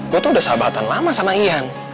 gue tuh udah sahabatan lama sama ian